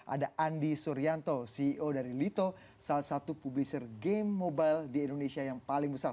ada andi suryanto ceo dari lito salah satu publisher game mobile di indonesia yang paling besar